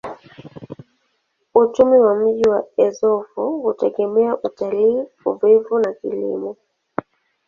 Uchumi wa mji wa Azeffou hutegemea utalii, uvuvi na kilimo.